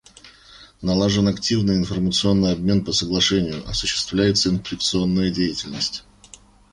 Налажен активный информационный обмен по соглашению, осуществляется инспекционная деятельность.